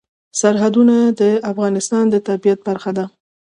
سرحدونه د افغانستان د طبیعت برخه ده.